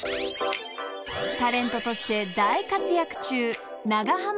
［タレントとして大活躍中］